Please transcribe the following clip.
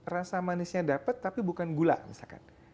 rasa manisnya dapat tapi bukan gula misalkan